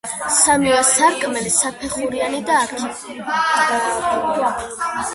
სამივე სარკმელი საფეხურიანი და არქიტრავულია.